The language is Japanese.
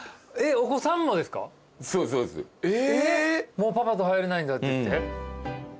もうパパと入れないんだっていって。